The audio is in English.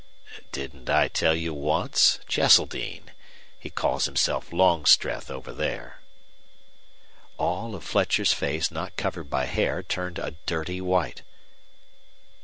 "Didn't I tell you once? Cheseldine. He calls himself Longstreth over there." All of Fletcher's face not covered by hair turned a dirty white.